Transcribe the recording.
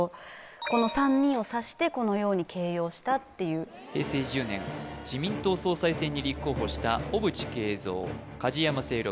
この３人をさしてこのように形容したっていう平成１０年自民党総裁選に立候補した小渕恵三梶山静六